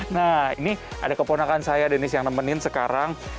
nah ini ada keponakan saya denis yang nemenin sekarang